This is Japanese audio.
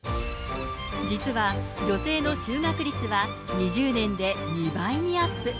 実は女性の就学率は２０年で２倍にアップ。